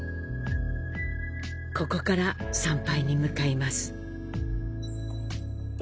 ここから参拝に向かいます。